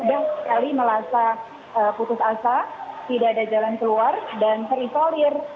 jadi tidur mudah sekali melasa putus asa tidak ada jalan keluar dan terisolir